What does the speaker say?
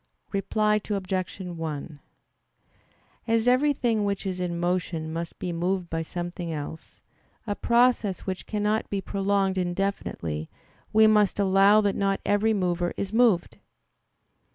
Reply Obj. 1: As everything which is in motion must be moved by something else, a process which cannot be prolonged indefinitely, we must allow that not every mover is moved.